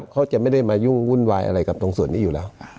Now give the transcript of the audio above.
เขาจะไม่ได้มายุ่งวุ่นวายอะไรกับตรงส่วนนี้อยู่แล้ว